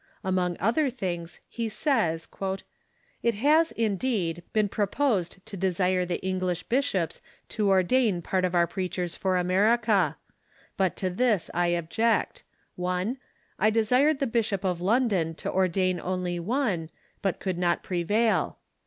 Among other things, he says :" It has, indeed, been proposed to desire the English bishops to ordain part of our preachers for America; but to tliis I ob ject: (l) I desired the Bishop of London to ordain only one, but could not prevail.